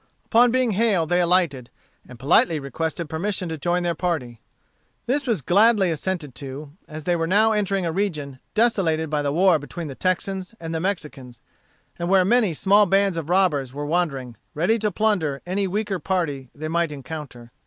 Upon being hailed they alighted, and politely requested permission to join their party. This was gladly assented to, as they were now entering a region desolated by the war between the Texans and the Mexicans, and where many small bands of robbers were wandering, ready to plunder any weaker party they might encounter.